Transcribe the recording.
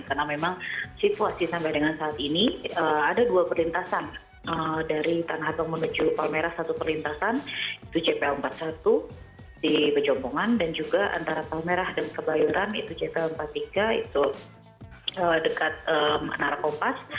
karena memang situasi sampai dengan saat ini ada dua perlintasan dari tanah abang menuju paham merah satu perlintasan itu cpl empat puluh satu di pejombongan dan juga antara paham merah dan kebayoran itu cpl empat puluh tiga itu dekat narakompas